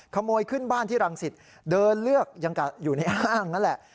เขาขโมยขึ้นบ้านที่รังศิษย์เดินเลือกอยู่ในอ้างนั่นแหละ